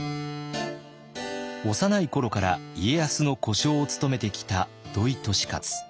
幼い頃から家康の小姓を務めてきた土井利勝。